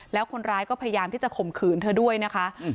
แล้วคนร้ายก็พยายามที่จะข่มขืนเธอด้วยนะคะ